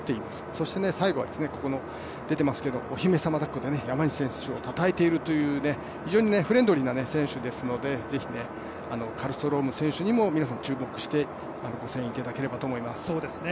そして最後はお姫様だっこで山西選手をたたえているという非常にフレンドリーな選手なのでぜひカルストローム選手にも皆さん注目してご声援いただければと思います。